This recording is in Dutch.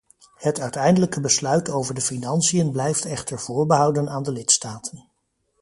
Het uiteindelijke besluit over de financiën blijft echter voorbehouden aan de lidstaten.